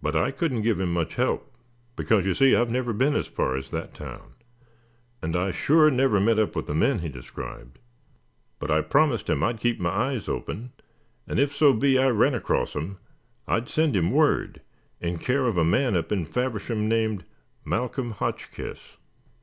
But I couldn't give him much help, because you see, I've never been as far as that town; and I sure never met up with the men he described. But I promised him I'd keep my eyes open, and if so be I ran across 'em, I'd send him word, in care of a man up in Faversham named Malcolm Hotchkiss."